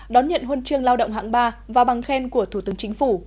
đón nhận huân chương lao động hạng ba và bằng khen của thủ tướng chính phủ